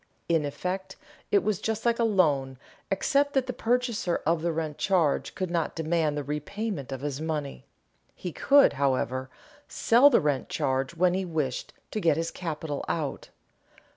In effect it was just like a loan except that the purchaser of the rent charge could not demand the repayment of his money. He could, however, sell the rent charge when he wished to get his capital out.